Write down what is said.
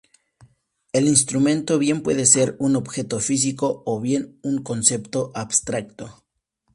El instrumento bien puede ser un objeto físico o bien un concepto abstracto.